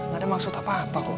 gak ada maksud apa apa kok